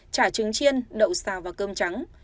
chả trứng chiên đậu xào và cơm trắng